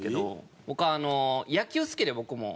僕あの野球好きで僕も。